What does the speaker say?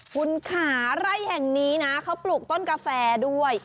คุณขาไร่แห่งนี้นะเขาปลูกต้นกาแฟด้วย